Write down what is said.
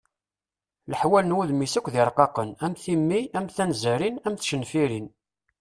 Leḥwal n wudem-is akk d irqaqen am timmi, am tanzarin, am tcenfirin.